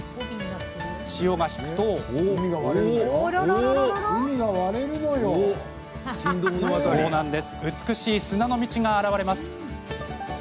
潮が引くと美しい砂の道が現れます。